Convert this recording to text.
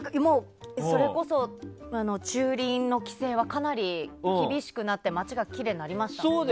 それこそ、駐輪の規制はかなり厳しくなって街がきれいになりました。